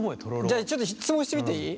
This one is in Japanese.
じゃあちょっと質問してみていい？